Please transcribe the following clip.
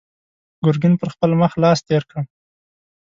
ګرګين پر خپل مخ لاس تېر کړ.